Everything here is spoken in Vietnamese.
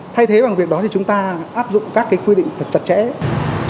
thay thế bằng việc đó thì chúng ta áp dụng các quy định thật chặt chẽ